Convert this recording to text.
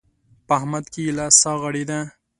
په احمد کې ايله سا غړېده.